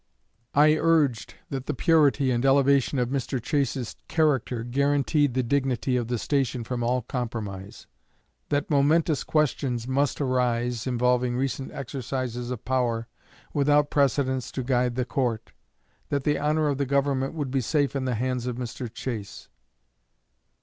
I urged that the purity and elevation of Mr. Chase's character guaranteed the dignity of the station from all compromise; that momentous questions must arise, involving recent exercises of power, without precedents to guide the court; that the honor of the Government would be safe in the hands of Mr. Chase.